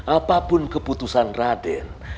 apapun keputusan raden